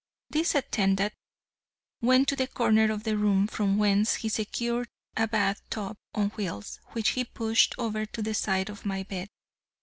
This attendant went to the corner of the room from whence he secured a bath tub on wheels, which he pushed over to the side of my bed.